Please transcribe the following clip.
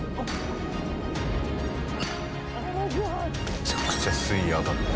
めちゃくちゃ水位上がってる。